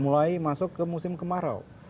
mulai masuk ke musim kemarau